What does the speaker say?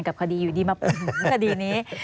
กับคดีอยู่ดีมาเป็นคดีนี้